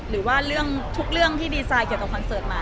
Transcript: หรือว่าเรื่องทุกเรื่องที่ดีไซน์เกี่ยวกับคอนเสิร์ตมา